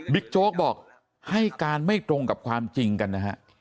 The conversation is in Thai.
โจ๊กบอกให้การไม่ตรงกับความจริงกันนะฮะ